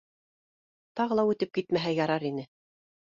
Тағы ла үтеп китмәһә ярар ине.